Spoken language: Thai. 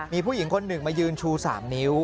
มีผู้หญิงคนหนึ่งมายืนชู๓นิ้ว